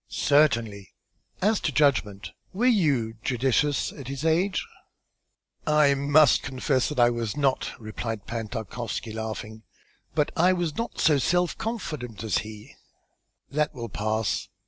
"Certainly. As to judgment, were you judicious at his age?" "I must confess that I was not," replied Pan Tarkowski, laughing, "but I was not so self confident as he." "That will pass.